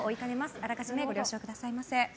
あらかじめご了承ください。